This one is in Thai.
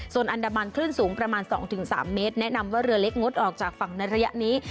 ส่วนอันดับมานขึ้นสูงประมาณสองถึงสามเมตรแนะนำว่าเรือเล็กงดออกจากฝั่งในระยะนี้